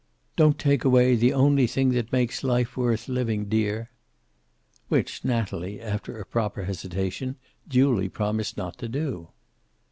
"Don't take away the only thing that makes life worth living, dear!" Which Natalie, after a proper hesitation, duly promised not to do.